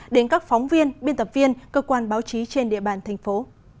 đến các phóng viên biên tập viên cơ quan báo chí trên địa bàn thành phố